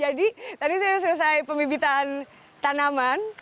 jadi tadi saya selesai pemibitan tanaman